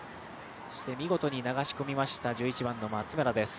見事に流し込みました松村です。